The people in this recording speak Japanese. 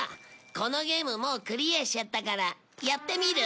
このゲームもうクリアしちゃったからやってみる？